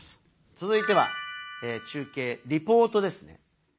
続いては中継リポートですね。